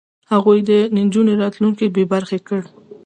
هغوی د نجونو راتلونکی بې برخې کړ.